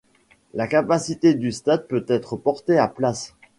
La capacité du stade peut être portée à places.